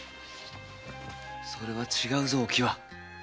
それは違うぞお喜和。